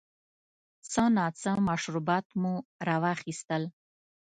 څه ناڅه مشروبات مو را واخیستل.